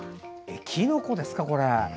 きのこですか、これ。